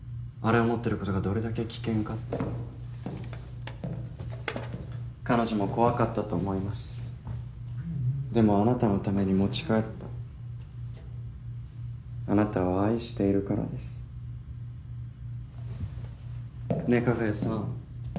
あれを持ってることがどれだけ危険かって彼女も怖かったと思いますでもあなたのために持ち帰ったあなたを愛しているからですねえ加賀谷さん